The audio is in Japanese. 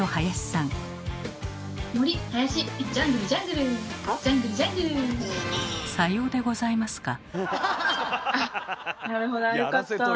さようでございますか。